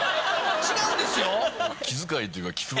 違うんですよ？